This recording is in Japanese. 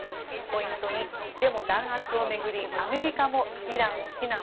ポイント２、デモ弾圧を巡りアメリカもイランを非難。